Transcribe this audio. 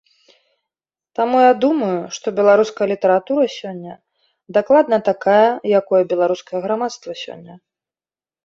Таму я думаю, што беларуская літаратура сёння дакладна такая, якое беларускае грамадства сёння.